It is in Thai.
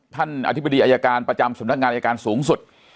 ท่านอธิบดีอายการประจำสมรรถงานอายการสูงสุด